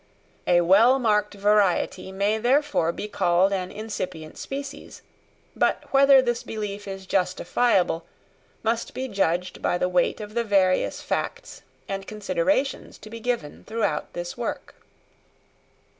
A well marked variety may therefore be called an incipient species; but whether this belief is justifiable must be judged by the weight of the various facts and considerations to be given throughout this work.